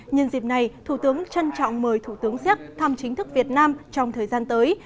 nhân dịp này thủ tướng trân trọng mời thủ tướng xéc thăm chính thức việt nam trong thời gian tới